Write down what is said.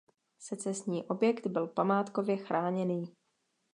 Secesní objekt byl památkově chráněný.